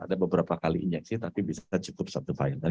ada beberapa kali injeksi tapi bisa cukup satu final